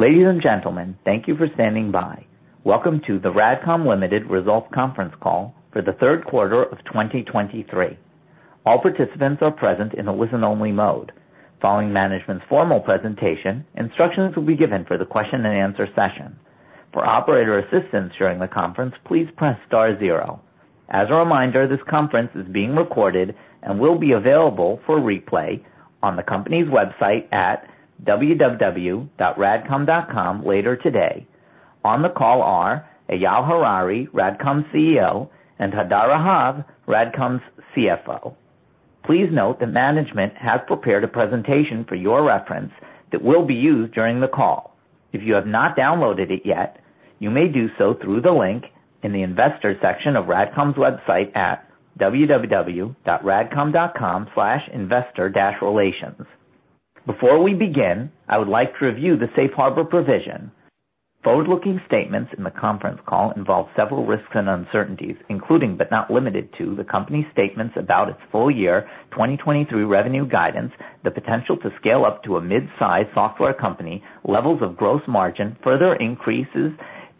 Ladies and gentlemen, thank you for standing by. Welcome to the RADCOM Limited Results Conference Call for the Third Quarter of 2023. All participants are present in a listen-only mode. Following management's formal presentation, instructions will be given for the question and answer session. For operator assistance during the conference, please press star zero. As a reminder, this conference is being recorded and will be available for replay on the company's website at www.radcom.com later today. On the call are Eyal Harari, RADCOM's CEO, and Hadar Rahav, RADCOM's CFO. Please note that management has prepared a presentation for your reference that will be used during the call. If you have not downloaded it yet, you may do so through the link in the investor section of RADCOM's website at www.radcom.com/investor-relations. Before we begin, I would like to review the safe harbor provision. Forward-looking statements in the conference call involve several risks and uncertainties, including, but not limited to, the company's statements about its full year 2023 revenue guidance, the potential to scale up to a mid-sized software company, levels of gross margin, further increases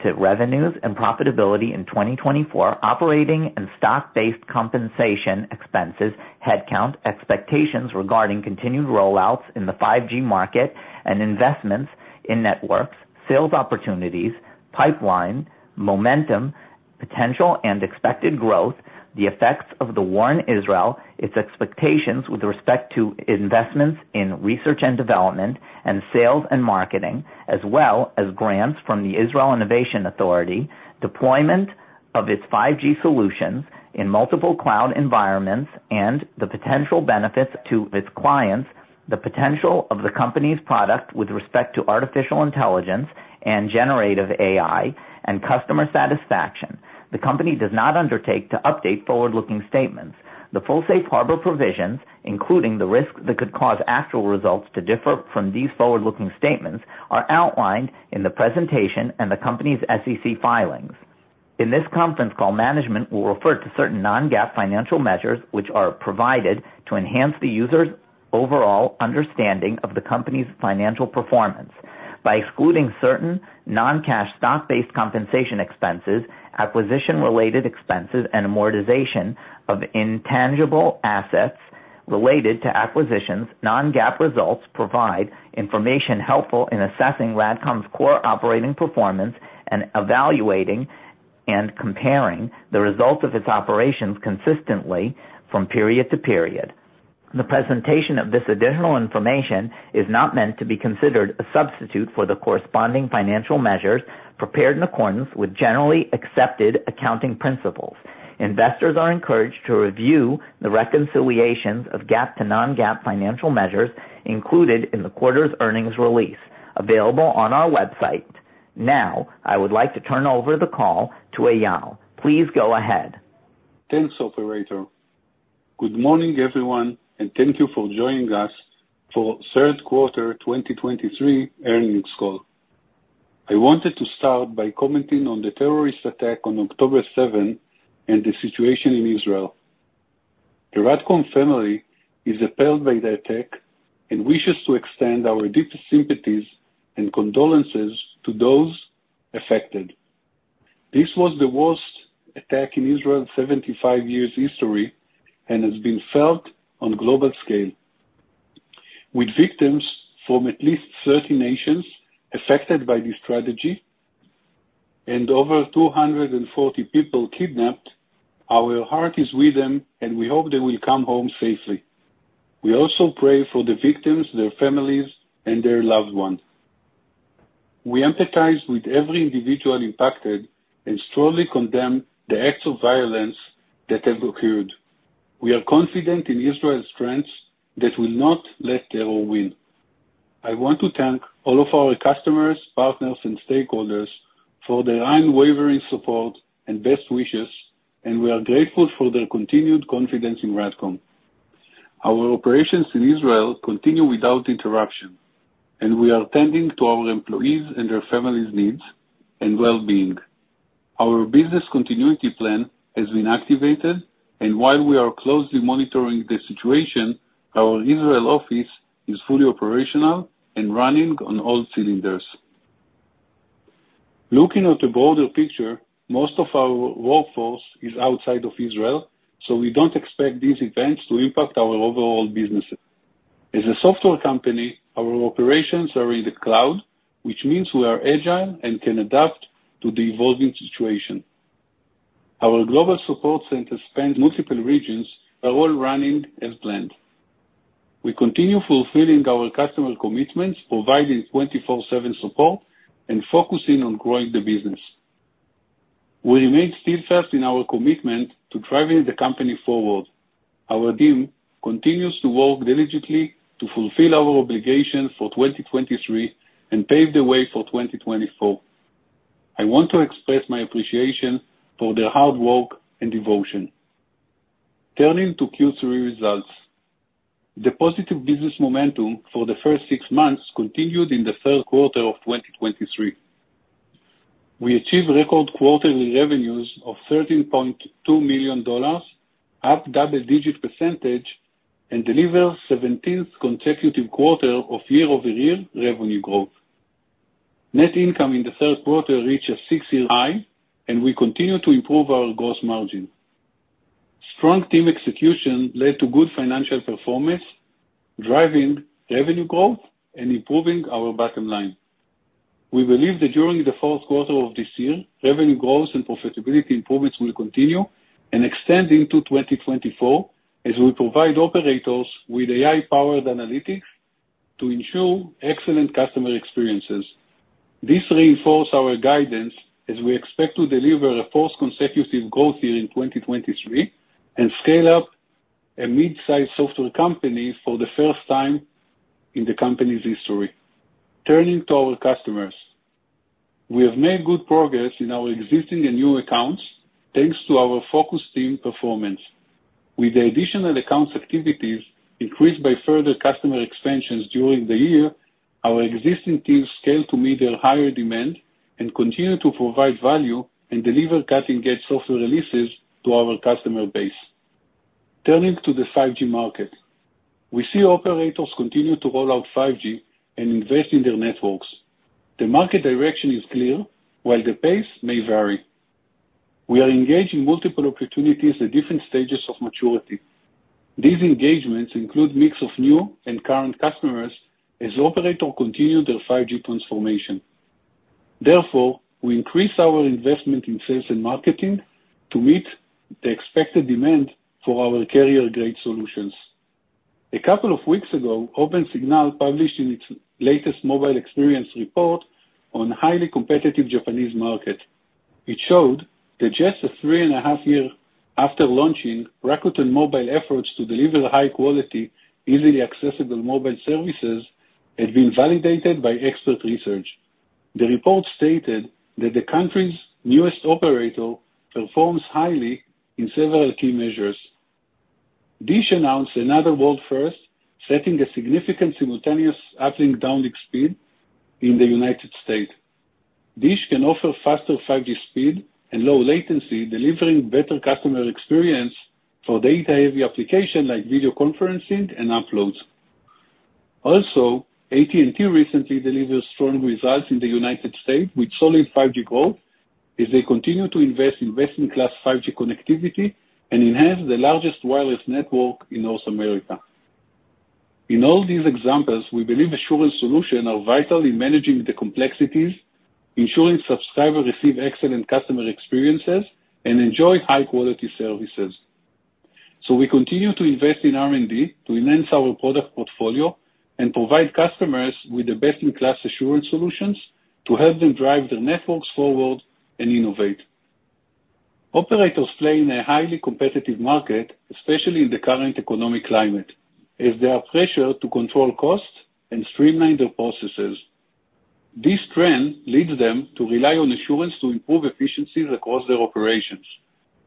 to revenues and profitability in 2024, operating and stock-based compensation expenses, headcount, expectations regarding continued rollouts in the 5G market and investments in networks, sales opportunities, pipeline, momentum, potential and expected growth, the effects of the war in Israel, its expectations with respect to investments in research and development and sales and marketing, as well as grants from the Israel Innovation Authority, deployment of its 5G solutions in multiple cloud environments and the potential benefits to its clients, the potential of the company's product with respect to artificial intelligence and generative AI, and customer satisfaction. The company does not undertake to update forward-looking statements. The full safe harbor provisions, including the risks that could cause actual results to differ from these forward-looking statements, are outlined in the presentation and the company's SEC filings. In this conference call, management will refer to certain non-GAAP financial measures, which are provided to enhance the user's overall understanding of the company's financial performance. By excluding certain non-cash stock-based compensation expenses, acquisition-related expenses, and amortization of intangible assets related to acquisitions, non-GAAP results provide information helpful in assessing RADCOM's core operating performance and evaluating and comparing the results of its operations consistently from period to period. The presentation of this additional information is not meant to be considered a substitute for the corresponding financial measures prepared in accordance with generally accepted accounting principles. Investors are encouraged to review the reconciliations of GAAP to non-GAAP financial measures included in the quarter's earnings release, available on our website. Now, I would like to turn over the call to Eyal. Please go ahead. Thanks, operator. Good morning, everyone, and thank you for joining us for third quarter 2023 earnings call. I wanted to start by commenting on the terrorist attack on October seventh and the situation in Israel. The RADCOM family is appalled by the attack and wishes to extend our deepest sympathies and condolences to those affected. This was the worst attack in Israel's 75 years' history and has been felt on global scale. With victims from at least 30 nations affected by this tragedy and over 240 people kidnapped, our heart is with them, and we hope they will come home safely. We also pray for the victims, their families, and their loved ones. We empathize with every individual impacted and strongly condemn the acts of violence that have occurred. We are confident in Israel's strength that we'll not let terror win. I want to thank all of our customers, partners, and stakeholders for their unwavering support and best wishes, and we are grateful for their continued confidence in RADCOM. Our operations in Israel continue without interruption, and we are tending to our employees' and their families' needs and well-being. Our business continuity plan has been activated, and while we are closely monitoring the situation, our Israel office is fully operational and running on all cylinders. Looking at the broader picture, most of our workforce is outside of Israel, so we don't expect these events to impact our overall businesses. As a software company, our operations are in the cloud, which means we are agile and can adapt to the evolving situation. Our global support center spans multiple regions are all running as planned. We continue fulfilling our customer commitments, providing 24/7 support and focusing on growing the business. We remain steadfast in our commitment to driving the company forward. Our team continues to work diligently to fulfill our obligations for 2023 and pave the way for 2024. I want to express my appreciation for their hard work and devotion. Turning to Q3 results. The positive business momentum for the first six months continued in the third quarter of 2023... We achieved record quarterly revenues of $13.2 million, up double-digit percentage, and delivered 17th consecutive quarter of year-over-year revenue growth. Net income in the third quarter reached a six-year high, and we continue to improve our gross margin. Strong team execution led to good financial performance, driving revenue growth and improving our bottom line. We believe that during the fourth quarter of this year, revenue growth and profitability improvements will continue and extend into 2024, as we provide operators with AI-powered analytics to ensure excellent customer experiences. This reinforce our guidance as we expect to deliver a fourth consecutive growth year in 2023, and scale up a mid-size software company for the first time in the company's history. Turning to our customers. We have made good progress in our existing and new accounts, thanks to our focused team performance. With the additional accounts activities increased by further customer expansions during the year, our existing teams scale to meet their higher demand and continue to provide value and deliver cutting-edge software releases to our customer base. Turning to the 5G market. We see operators continue to roll out 5G and invest in their networks. The market direction is clear, while the pace may vary. We are engaged in multiple opportunities at different stages of maturity. These engagements include mix of new and current customers as operator continue their 5G transformation. Therefore, we increase our investment in sales and marketing to meet the expected demand for our carrier-grade solutions. A couple of weeks ago, Opensignal published in its latest mobile experience report on highly competitive Japanese market, which showed that just 3.5 years after launching, Rakuten Mobile efforts to deliver high quality, easily accessible mobile services had been validated by expert research. The report stated that the country's newest operator performs highly in several key measures. DISH announced another world first, setting a significant simultaneous uplink/downlink speed in the United States. DISH can offer faster 5G speed and low latency, delivering better customer experience for data-heavy application, like video conferencing and uploads. Also, AT&T recently delivered strong results in the United States with solid 5G growth, as they continue to invest in best-in-class 5G connectivity and enhance the largest wireless network in North America. In all these examples, we believe assurance solution are vital in managing the complexities, ensuring subscribers receive excellent customer experiences, and enjoying high quality services. So we continue to invest in R&D to enhance our product portfolio and provide customers with the best-in-class assurance solutions to help them drive their networks forward and innovate. Operators play in a highly competitive market, especially in the current economic climate, as they are pressured to control costs and streamline their processes. This trend leads them to rely on assurance to improve efficiencies across their operations.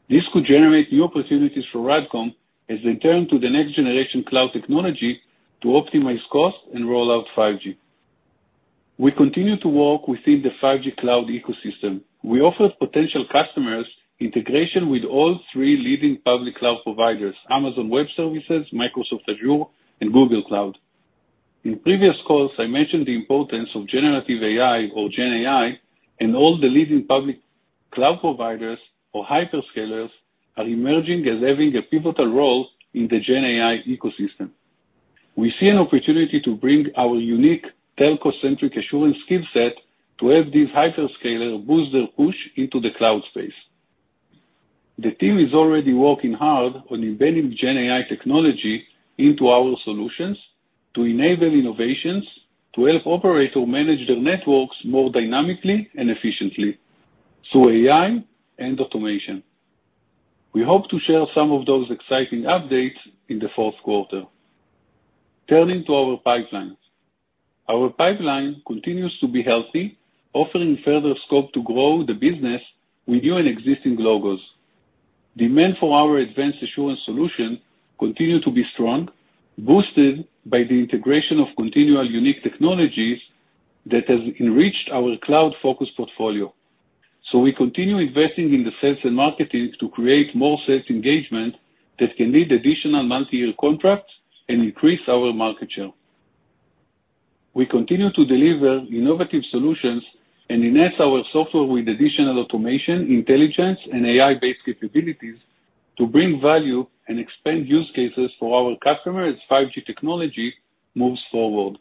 This could generate new opportunities for RADCOM as they turn to the next generation cloud technology to optimize costs and roll out 5G. We continue to work within the 5G cloud ecosystem. We offer potential customers integration with all three leading public cloud providers, Amazon Web Services, Microsoft Azure, and Google Cloud. In previous calls, I mentioned the importance of generative AI or GenAI, and all the leading public cloud providers or hyperscalers are emerging as having a pivotal role in the GenAI ecosystem. We see an opportunity to bring our unique telco-centric assurance skill set to help these hyperscaler boost their push into the cloud space. The team is already working hard on embedding GenAI technology into our solutions to enable innovations, to help operator manage their networks more dynamically and efficiently through AI and automation. We hope to share some of those exciting updates in the fourth quarter. Turning to our pipelines. Our pipeline continues to be healthy, offering further scope to grow the business with new and existing logos. Demand for our advanced assurance solution continue to be strong, boosted by the integration of Continual unique technologies that has enriched our cloud-focused portfolio. We continue investing in the sales and marketing to create more sales engagement that can lead additional multi-year contracts and increase our market share. We continue to deliver innovative solutions and enhance our software with additional automation, intelligence, and AI-based capabilities to bring value and expand use cases for our customers as 5G technology moves forward.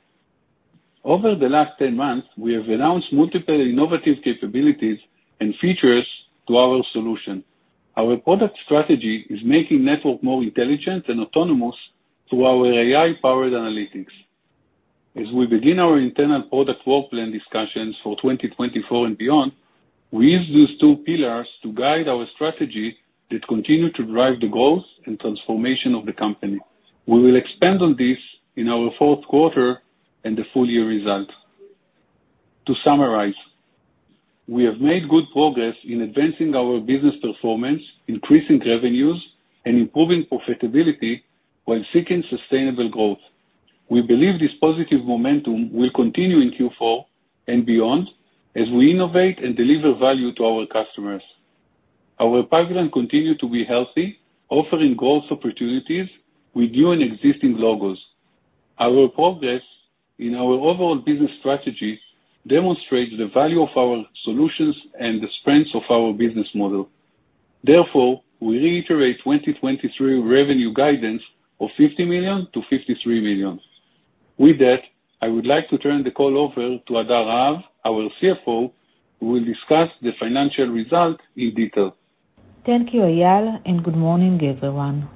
Over the last 10 months, we have announced multiple innovative capabilities and features to our solution. Our product strategy is making network more intelligent and autonomous through our AI-powered analytics. As we begin our internal product work plan discussions for 2024 and beyond, we use these two pillars to guide our strategy that continue to drive the growth and transformation of the company. We will expand on this in our fourth quarter and the full year result. To summarize, we have made good progress in advancing our business performance, increasing revenues, and improving profitability while seeking sustainable growth... We believe this positive momentum will continue in Q4 and beyond as we innovate and deliver value to our customers. Our pipeline continue to be healthy, offering growth opportunities with new and existing logos. Our progress in our overall business strategy demonstrates the value of our solutions and the strengths of our business model. Therefore, we reiterate 2023 revenue guidance of $50 million-$53 million. With that, I would like to turn the call over to Hadar Rahav, our CFO, who will discuss the financial results in detail. Thank you, Eyal, and good morning, everyone.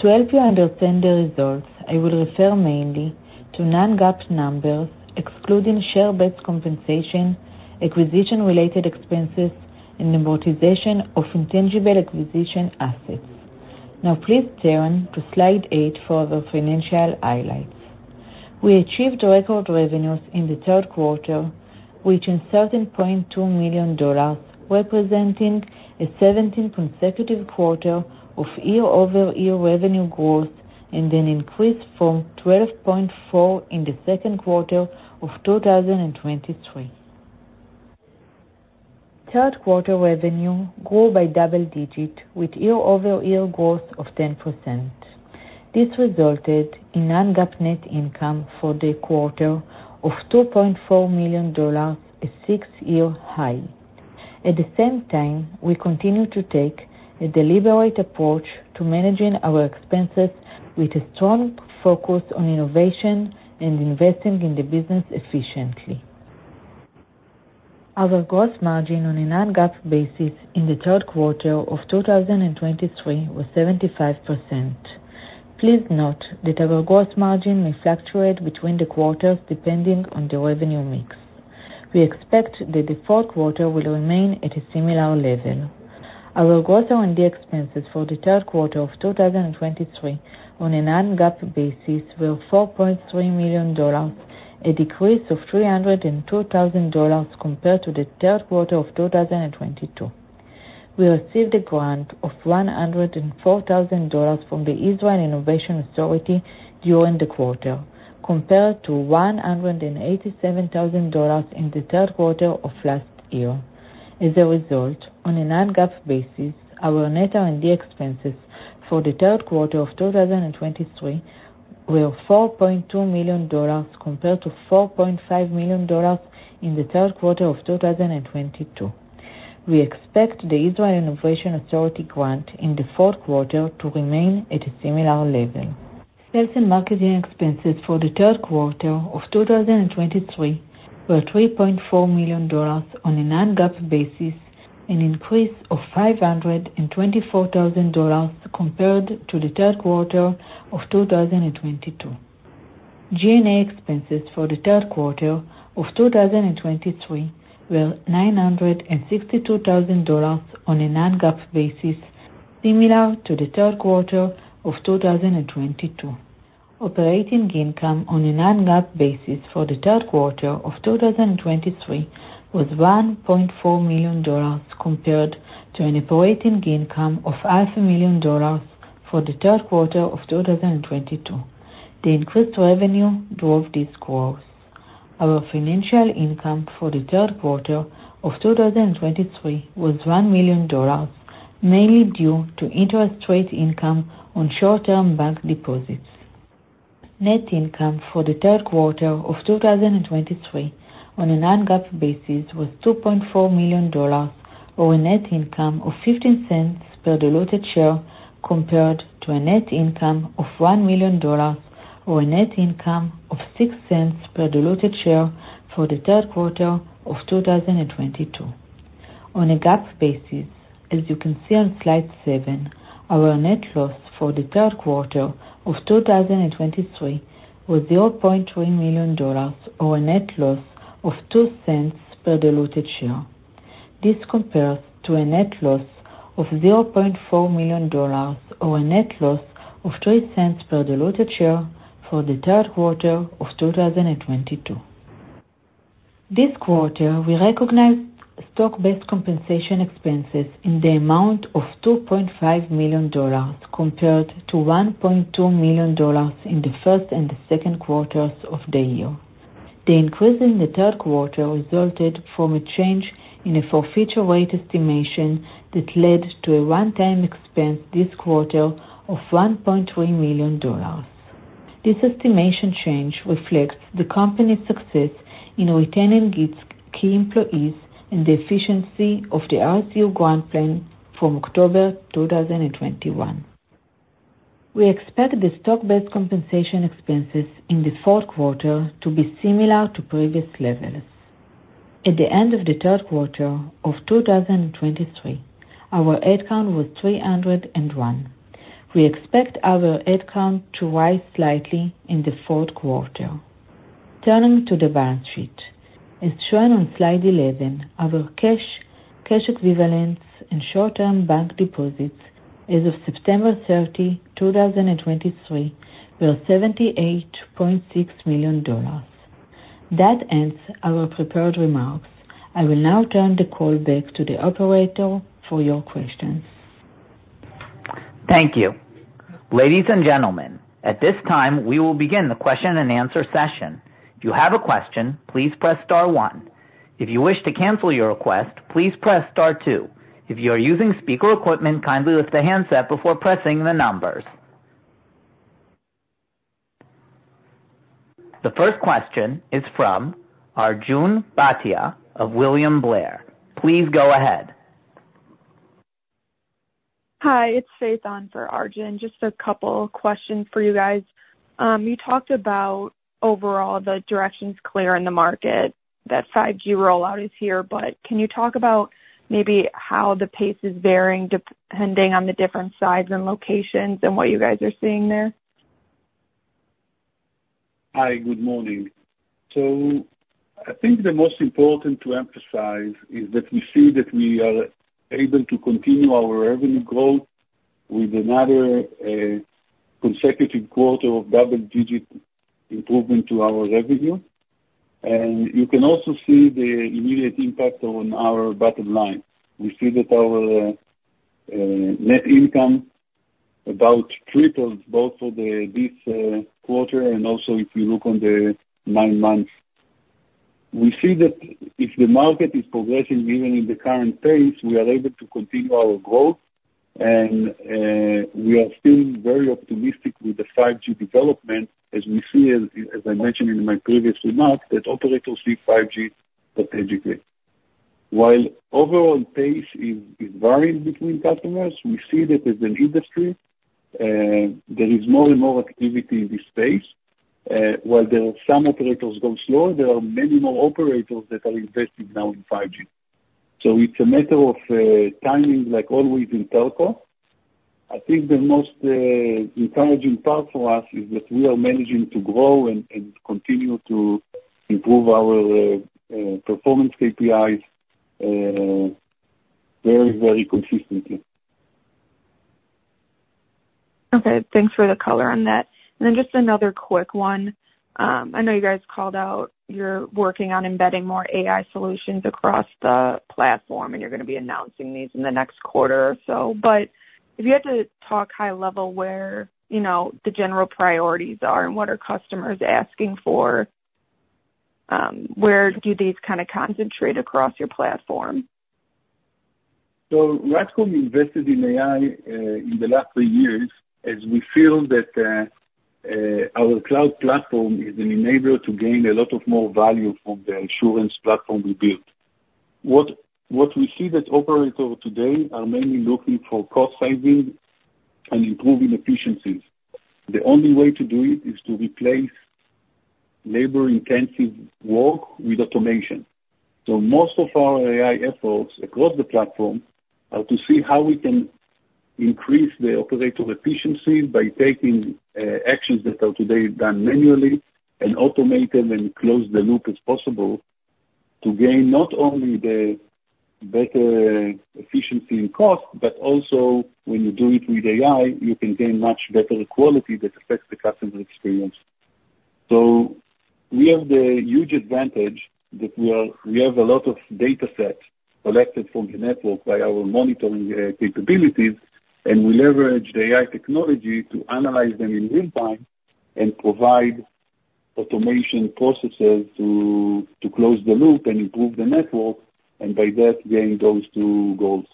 To help you understand the results, I will refer mainly to non-GAAP numbers, excluding share-based compensation, acquisition-related expenses, and amortization of intangible acquisition assets. Now, please turn to slide 8 for the financial highlights. We achieved record revenues in the third quarter, reaching $13.2 million, representing a seventeen consecutive quarter of year-over-year revenue growth and an increase from $12.4 in the second quarter of 2023. Third quarter revenue grew by double-digit, with year-over-year growth of 10%. This resulted in non-GAAP net income for the quarter of $2.4 million, a six-year high. At the same time, we continue to take a deliberate approach to managing our expenses with a strong focus on innovation and investing in the business efficiently. Our gross margin on a non-GAAP basis in the third quarter of 2023 was 75%. Please note that our gross margin may fluctuate between the quarters, depending on the revenue mix. We expect that the fourth quarter will remain at a similar level. Our gross R&D expenses for the third quarter of 2023 on a non-GAAP basis were $4.3 million, a decrease of $302,000 compared to the third quarter of 2022. We received a grant of $104,000 from the Israel Innovation Authority during the quarter, compared to $187,000 in the third quarter of last year. As a result, on a non-GAAP basis, our net R&D expenses for the third quarter of 2023 were $4.2 million, compared to $4.5 million in the third quarter of 2022. We expect the Israel Innovation Authority grant in the fourth quarter to remain at a similar level. Sales and marketing expenses for the third quarter of 2023 were $3.4 million on a non-GAAP basis, an increase of $524,000 compared to the third quarter of 2022. G&A expenses for the third quarter of 2023 were $962,000 on a non-GAAP basis, similar to the third quarter of 2022. Operating income on a non-GAAP basis for the third quarter of 2023 was $1.4 million, compared to an operating income of $500,000 for the third quarter of 2022. The increased revenue drove this growth. Our financial income for the third quarter of 2023 was $1 million, mainly due to interest rate income on short-term bank deposits. Net income for the third quarter of 2023 on a non-GAAP basis was $2.4 million, or a net income of $0.15 per diluted share, compared to a net income of $1 million, or a net income of $0.06 per diluted share for the third quarter of 2022. On a GAAP basis, as you can see on slide 7, our net loss for the third quarter of 2023 was $0.3 million, or a net loss of $0.02 per diluted share. This compares to a net loss of $0.4 million, or a net loss of $0.03 per diluted share for the third quarter of 2022. This quarter, we recognized stock-based compensation expenses in the amount of $2.5 million, compared to $1.2 million in the first and the second quarters of the year. The increase in the third quarter resulted from a change in a forfeiture rate estimation that led to a one-time expense this quarter of $1.3 million. This estimation change reflects the company's success in retaining its key employees and the efficiency of the RSU grant plan from October 2021. We expect the stock-based compensation expenses in the fourth quarter to be similar to previous levels. At the end of the third quarter of 2023, our headcount was 301. We expect our headcount to rise slightly in the fourth quarter. Turning to the balance sheet. As shown on slide 11, our cash, cash equivalents, and short-term bank deposits as of September 30, 2023, were $78.6 million. That ends our prepared remarks. I will now turn the call back to the operator for your questions. Thank you. Ladies and gentlemen, at this time, we will begin the question and answer session. If you have a question, please press star one. If you wish to cancel your request, please press star two. If you are using speaker equipment, kindly lift the handset before pressing the numbers. The first question is from Arjun Bhatia of William Blair. Please go ahead. Hi, it's Faith on for Arjun. Just a couple questions for you guys. You talked about overall the direction's clear in the market, that 5G rollout is here, but can you talk about maybe how the pace is varying depending on the different sides and locations and what you guys are seeing there? Hi, good morning. So I think the most important to emphasize is that we see that we are able to continue our revenue growth with another consecutive quarter of double-digit improvement to our revenue. And you can also see the immediate impact on our bottom line. We see that our net income about tripled both for this quarter and also if you look on the nine months. We see that if the market is progressing, even in the current pace, we are able to continue our growth, and we are still very optimistic with the 5G development, as we see, as I mentioned in my previous remarks, that operators see 5G strategically. While overall pace is varied between customers, we see that as an industry, there is more and more activity in this space. While there are some operators go slow, there are many more operators that are invested now in 5G. So it's a matter of, timing, like always in telco. I think the most, encouraging part for us is that we are managing to grow and, and continue to improve our, performance KPIs, very, very consistently. Okay, thanks for the color on that. Then just another quick one. I know you guys called out you're working on embedding more AI solutions across the platform, and you're going to be announcing these in the next quarter or so, but if you had to talk high level, where, you know, the general priorities are and what are customers asking for, where do these kind of concentrate across your platform? So RADCOM invested in AI in the last three years, as we feel that our cloud platform is an enabler to gain a lot of more value from the assurance platform we built. What we see that operators today are mainly looking for cost saving and improving efficiencies. The only way to do it is to replace labor-intensive work with automation. So most of our AI efforts across the platform are to see how we can increase the operator efficiency by taking actions that are today done manually, and automate them, and close the loop, as possible, to gain not only the better efficiency and cost, but also when you do it with AI, you can gain much better quality that affects the customer experience. So we have the huge advantage that we are... We have a lot of data sets collected from the network by our monitoring capabilities, and we leverage the AI technology to analyze them in real time and provide automation processes to, to close the loop and improve the network, and by that, gain those two goals.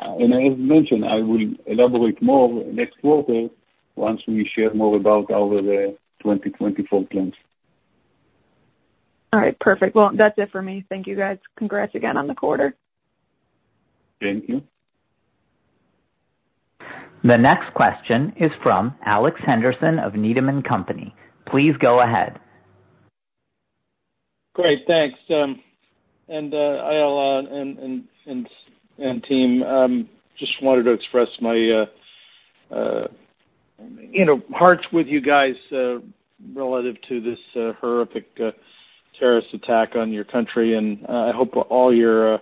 As mentioned, I will elaborate more next quarter once we share more about our 2020 forecast. All right. Perfect. Well, that's it for me. Thank you, guys. Congrats again on the quarter. Thank you. The next question is from Alex Henderson of Needham & Company. Please go ahead. Great, thanks. Eyal and team, just wanted to express my, you know, heart's with you guys, relative to this horrific terrorist attack on your country, and I hope all your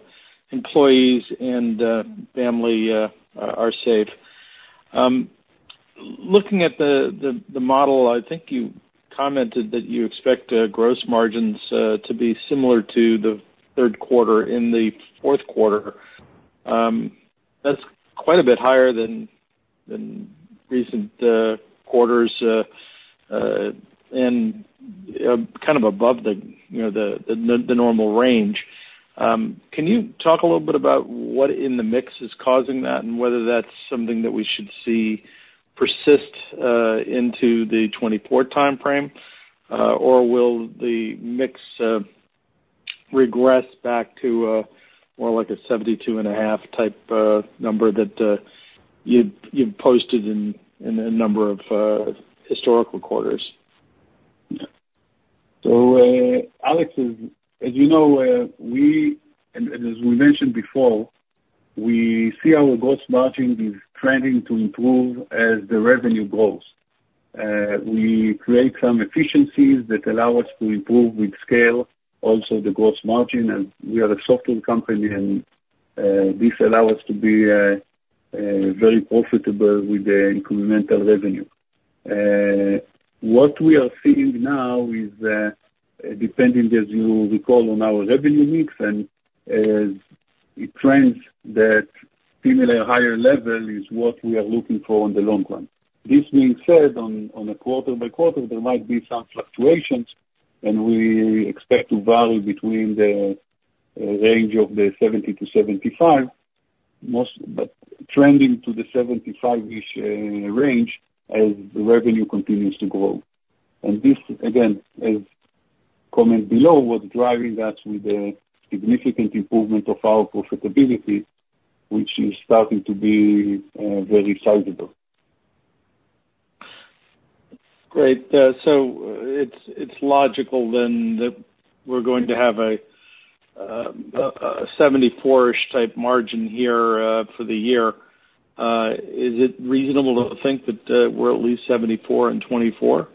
employees and family are safe. Looking at the model, I think you commented that you expect gross margins to be similar to the third quarter in the fourth quarter. That's quite a bit higher than recent quarters, and kind of above the, you know, the normal range. Can you talk a little bit about what in the mix is causing that, and whether that's something that we should see persist into the 2024 time frame? Or will the mix regress back to more like a 72.5 type number that you've posted in a number of historical quarters? So, Alex, as you know, as we mentioned before, we see our gross margin is trending to improve as the revenue grows. We create some efficiencies that allow us to improve with scale, also the gross margin, and we are a software company, and this allow us to be very profitable with the incremental revenue. What we are seeing now is, depending, as you recall, on our revenue mix and it trends that similar higher level is what we are looking for in the long run. This being said, on a quarter by quarter, there might be some fluctuations, and we expect to vary between the range of the 70%-75%, most- but trending to the 75%-ish range as the revenue continues to grow. This, again, as commented below, what's driving us with a significant improvement of our profitability, which is starting to be very sizable. Great. So it's logical then that we're going to have a 74-ish type margin here for the year. Is it reasonable to think that we're at least 74 and 24?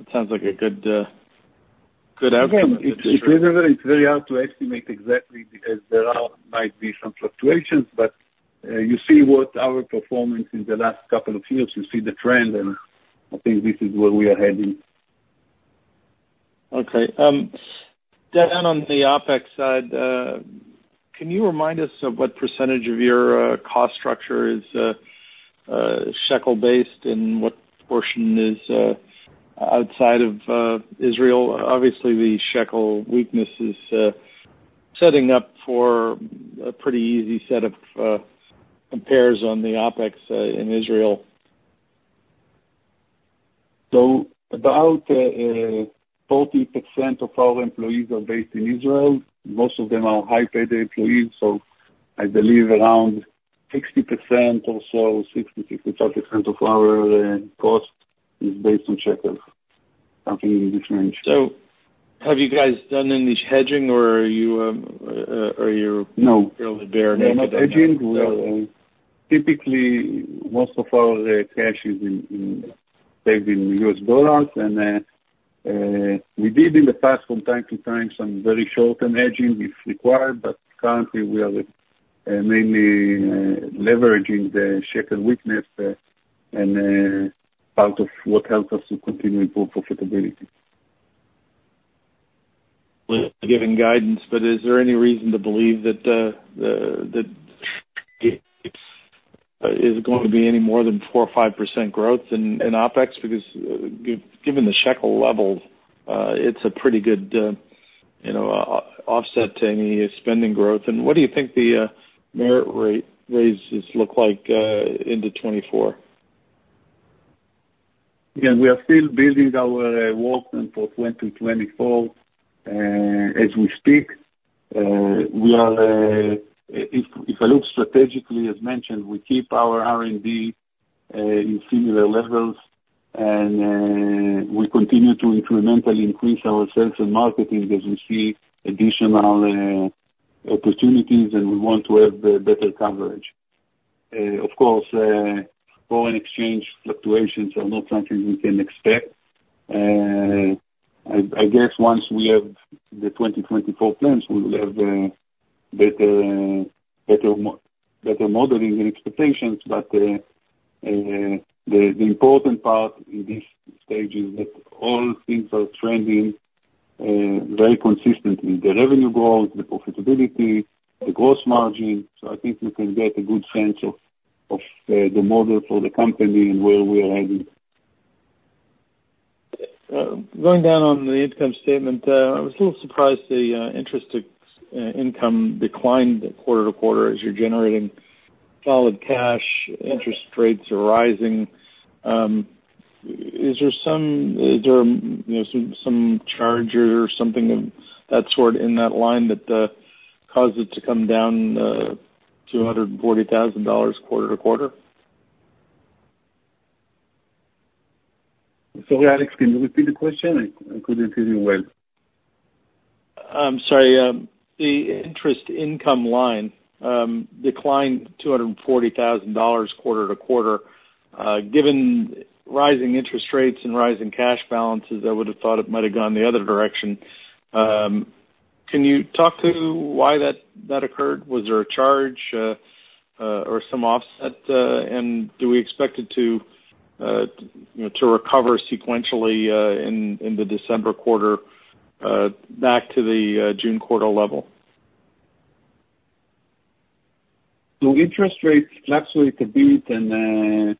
It sounds like a good outcome. Again, it's very hard to estimate exactly because there might be some fluctuations, but you see what our performance in the last couple of years, you see the trend, and I think this is where we are heading. Okay. Down on the OpEx side, can you remind us of what percentage of your cost structure is shekel-based, and what portion is outside of Israel? Obviously, the shekel weakness is setting up for a pretty easy set of compares on the OpEx in Israel. About 40% of our employees are based in Israel. Most of them are high-paid employees, so I believe around 60% or so, 60%-65% of our cost is based on shekels, something in this range. So have you guys done any hedging or are you- No. Bare naked? We are not hedging. Well, typically, most of our cash is saved in U.S. dollars. And, we did in the past, from time to time, some very short-term hedging is required, but currently we are mainly leveraging the shekel weakness, and part of what helps us to continue improve profitability. Well, giving guidance, but is there any reason to believe that it's going to be any more than 4%-5% growth in OpEx? Because given the shekel levels, it's a pretty good, you know, offset to any spending growth. And what do you think the merit rate raises look like into 2024? Yeah, we are still building our workflow for 2024. As we speak, we are... If I look strategically, as mentioned, we keep our R&D in similar levels, and we continue to incrementally increase our sales and marketing as we see additional opportunities, and we want to have better coverage. Of course, foreign exchange fluctuations are not something we can expect. I guess once we have the 2024 plans, we will have better modeling and expectations. But the important part in this stage is that all things are trending very consistently, the revenue growth, the profitability, the gross margin. So I think you can get a good sense of the model for the company and where we are heading. Going down on the income statement, I was a little surprised the interest income declined quarter-over-quarter as you're generating solid cash, interest rates are rising. Is there some, is there, you know, some charge or something of that sort in that line that caused it to come down $240,000 quarter-over-quarter? Sorry, Alex, can you repeat the question? I couldn't hear you well. I'm sorry. The interest income line declined $240,000 quarter to quarter. Given rising interest rates and rising cash balances, I would have thought it might have gone the other direction. Can you talk to why that occurred? Was there a charge or some offset? Do we expect it to, you know, recover sequentially in the December quarter back to the June quarter level? So interest rates fluctuate a bit, and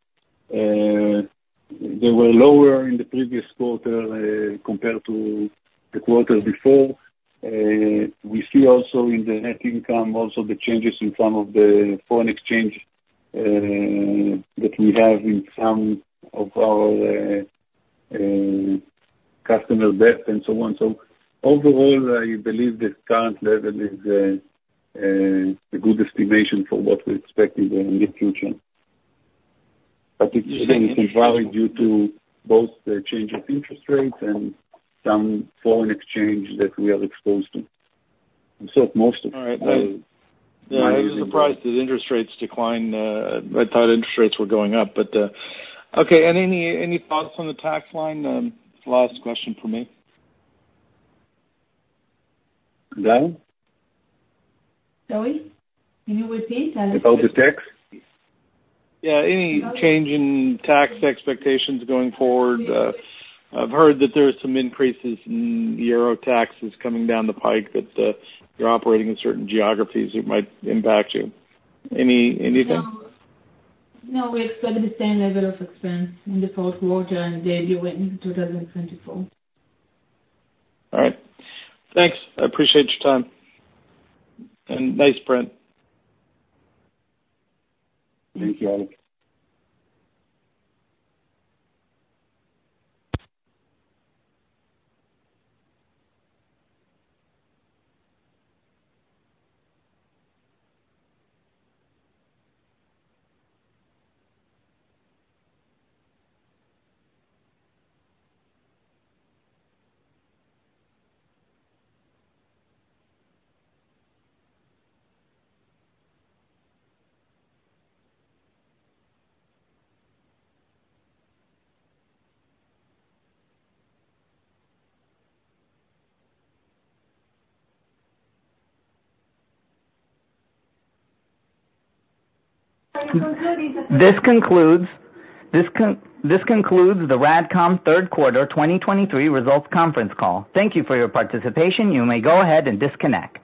they were lower in the previous quarter compared to the quarter before. We see also in the net income also the changes in some of the foreign exchange that we have in some of our customer debt and so on. So overall, I believe the current level is a good estimation for what we expect in the near future. But it can vary due to both the change of interest rates and some foreign exchange that we are exposed to. And so most of- All right. Yeah, I was surprised that interest rates declined. I thought interest rates were going up, but... Okay. Any thoughts on the tax line? Last question from me. Pardon? Sorry. Can you repeat, Alex? About the tax? Yeah, any change in tax expectations going forward? I've heard that there are some increases in euro taxes coming down the pike, that you're operating in certain geographies that might impact you. Any, anything? No, we expect the same level of expense in the fourth quarter and then going into 2024. All right. Thanks. I appreciate your time, and. Thank you, Alex. This concludes the RADCOM Third Quarter 2023 Results Conference Call. Thank you for your participation. You may go ahead and disconnect.